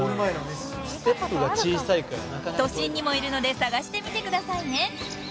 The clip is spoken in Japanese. ［都心にもいるので探してみてくださいね］